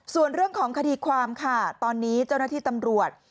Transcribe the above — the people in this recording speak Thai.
ส่วนเรื่องของคดีความค่ะตอนนี้เจ้าหน้าที่ตำรวจ